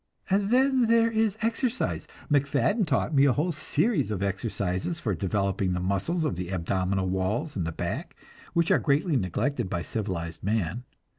Then there is exercise. MacFadden taught me a whole series of exercises for developing the muscles of the abdominal walls and the back, which are greatly neglected by civilized man.